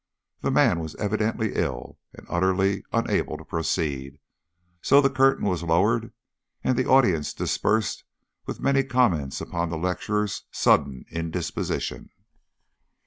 The man was evidently ill, and utterly unable to proceed, so the curtain was lowered, and the audience dispersed, with many comments upon the lecturer's sudden indisposition.